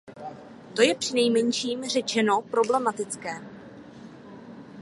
To je, přinejmenším řečeno, problematické.